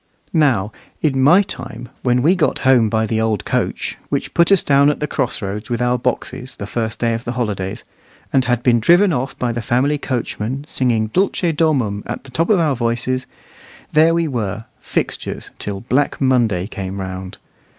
Now, in my time, when we got home by the old coach, which put us down at the cross roads with our boxes, the first day of the holidays, and had been driven off by the family coachman, singing "Dulce Domum" at the top of our voices, there we were, fixtures, till black Monday came round.